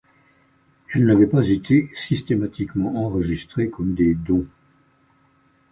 Elles n'avaient pas été systématiquement enregistrées comme des dons.